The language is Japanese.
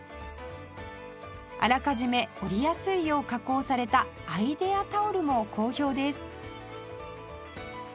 あらかじめ折りやすいよう加工されたアイデアタオルも好評です